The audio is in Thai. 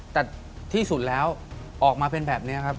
แต่ที่สุดแล้วออกมาเป็นแบบนี้ครับ